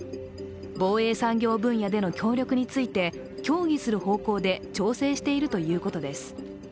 防衛産業分野での協力について、協議する方向で調整しているということです。